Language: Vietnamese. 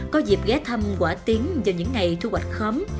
có dịp ghé thăm quả tiến vào những ngày thu hoạch khóm